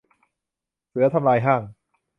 เสือทำลายห้าง